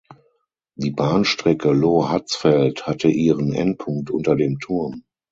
Die Bahnstrecke Loh–Hatzfeld hatte ihren Endpunkt unter dem Turm.